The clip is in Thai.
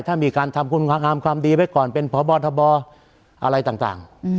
ถ้ามีการทำความดีไปก่อนเป็นพบทบอะไรต่าง